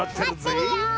まってるよ！